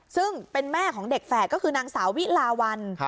ซึ่งเป็นแม่ของเด็กแฝดก็คือนางสาววิลาวัน